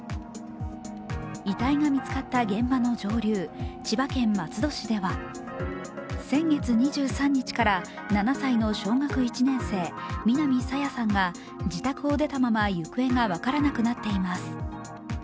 遺体が見つかった現場の上流、千葉県松戸市では先月２３日から７歳の小学１年生、南朝芽さんが自宅を出たまま、行方が分からなくなっています。